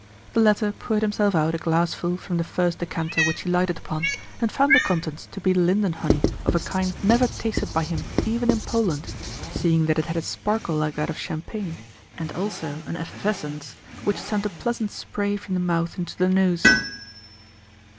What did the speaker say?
The latter poured himself out a glassful from the first decanter which he lighted upon, and found the contents to be linden honey of a kind never tasted by him even in Poland, seeing that it had a sparkle like that of champagne, and also an effervescence which sent a pleasant spray from the mouth into the nose.